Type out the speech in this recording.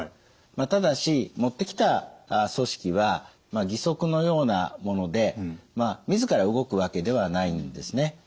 ただし持ってきた組織は義足のようなもので自ら動くわけではないんですね。